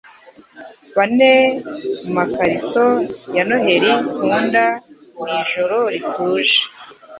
Bane mu makarito ya Noheri nkunda ni "Ijoro rituje,"